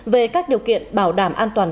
về các điều kiện bảo đảm an toàn